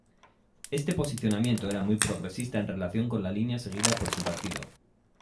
Este posicionamiento era muy progresista en relación con la línea seguida por su partido.